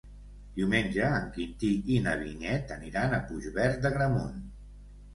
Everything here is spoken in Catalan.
Diumenge en Quintí i na Vinyet aniran a Puigverd d'Agramunt.